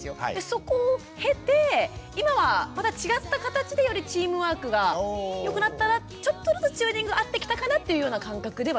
そこを経て今はまた違った形でよりチームワークが良くなったなちょっとずつチューニング合ってきたかなっていうような感覚ではいます。